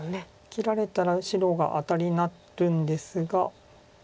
切られたら白がアタリになるんですが。